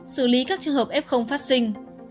xử lý các trường hợp f phát sinh